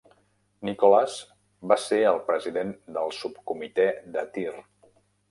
Nicholas va ser el president del Subcomitè de Tir.